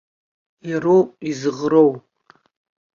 Иароуп изыӷроу.